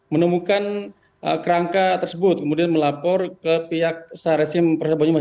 menemukan kerangka tersebut kemudian melapor ke pihak sehari resim persabonimah